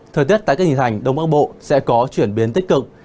thời tiết tại các hình thành đông bắc bộ sẽ có chuyển biến tích cực